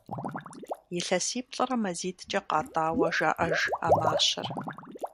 Илъэсиплӏрэ мазитӏкӏэ къатӏауэ жаӏэж а мащэр.